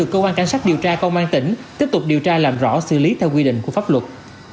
cơ quan cảnh sát điều tra công an tỉnh tiếp tục điều tra làm rõ xử lý theo quy định của pháp luật